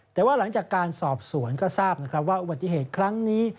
แต่ว่าหลังจากการสอบสวนก็ทราบนะครับว่าอุบัติเหตุครั้งนี้